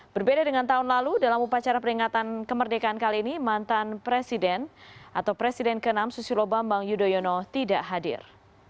berbeda dengan tahun lalu dalam upacara peringatan kemerdekaan kali ini mantan presiden atau presiden ke enam susilo bambang yudhoyono tidak hadir